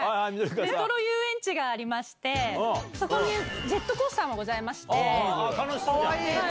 レトロ遊園地がありまして、そこにジェットコースターもござ楽しそうじゃん。